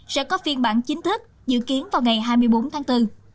sẽ có phiên bản chính thức dự kiến vào ngày hai mươi bốn tháng bốn